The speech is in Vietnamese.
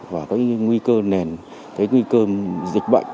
và cái nguy cơ nền cái nguy cơ dịch bệnh